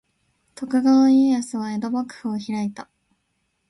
徳川家康は江戸幕府を開いた。